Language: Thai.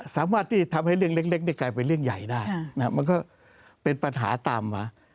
สามารถที่ทำให้เรื่องเล็กกลายเป็นเรื่องใหญ่ได้มันก็เป็นปัญหาตามมา